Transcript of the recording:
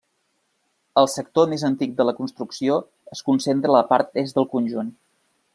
El sector més antic de la construcció es concentra a la part est del conjunt.